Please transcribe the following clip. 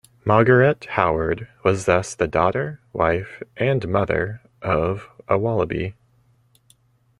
Margariete Howard was thus the daughter, wife and mother of a Wallaby.